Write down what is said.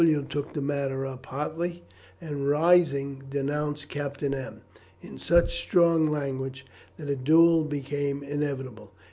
W t took the matter up hotly, and rising, denounced Captain M l in such strong language that a duel became inevitable.